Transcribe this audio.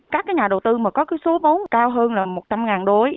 các nhà đầu tư mà có số bốn cao hơn là một trăm linh đối